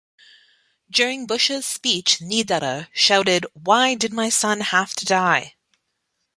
During Bush's speech, Niederer shouted Why did my son have to die?